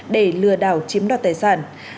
để lừa đảo chiếm đoạt tài sản